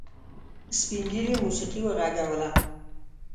سپین ږيري موسيقي وغږوله.